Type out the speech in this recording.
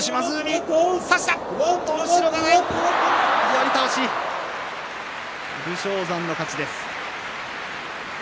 寄り倒し武将山の勝ちです。